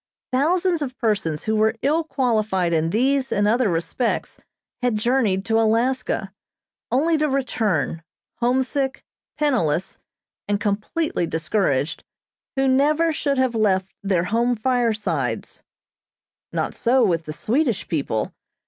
Thousands of persons who were ill qualified in these and other respects had journeyed to Alaska, only to return, homesick, penniless, and completely discouraged, who never should have left their home firesides. Not so with the Swedish people.